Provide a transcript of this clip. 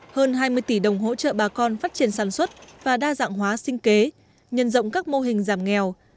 hơn hai mươi tỷ đồng hỗ trợ bà con phát triển sản xuất và đa dạng hóa sinh kế nhân rộng các mô hình giảm nghèo